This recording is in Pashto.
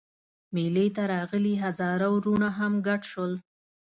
مېلې ته راغلي هزاره وروڼه هم ګډ شول.